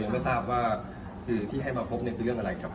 ยังไม่ทราบว่าคือที่ให้มาพบในตัวเรื่องอะไรกับนะครับ